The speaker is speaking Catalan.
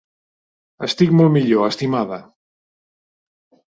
Estic molt millor, estimada.